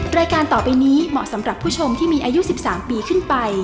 รายการต่อไปนี้เหมาะสำหรับผู้ชมที่มีอายุ๑๓ปีขึ้นไป